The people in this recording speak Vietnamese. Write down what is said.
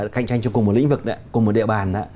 cạnh tranh trong cùng một lĩnh vực đấy cùng một địa bàn đó